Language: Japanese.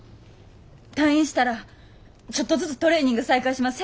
退院したらちょっとずつトレーニング再開します。